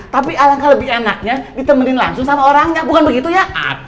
tapi alangkah lebih enaknya ditemenin langsung sama orangnya bukan begitu ya